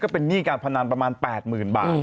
เป็นหนี้การพนันประมาณ๘๐๐๐บาท